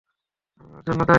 আমি এর জন্য দায়ী।